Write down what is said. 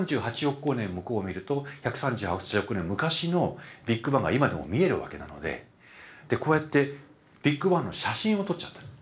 光年向こうを見ると１３８億年昔のビッグバンが今でも見えるわけなのでこうやってビッグバンの写真を撮っちゃった。